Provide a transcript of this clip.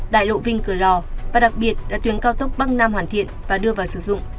đại lộ vinh cửa lò và đặc biệt là tuyến cao tốc bắc nam hoàn thiện và đưa vào sử dụng